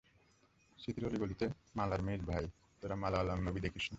স্মৃতির অলিগলিতে মালার মিস ভাই, তোরা মালয়ালাম মুভি দেখিস না?